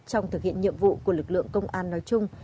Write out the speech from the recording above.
trong thực hiện nhiệm vụ của lực lượng công an nói chung